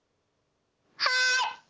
はい！